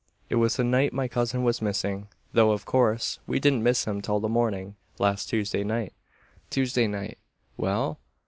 It was the night my cousin was missing; though, of course, we didn't miss him till the morning. Last Tuesday night." "Tuesday night. Well?"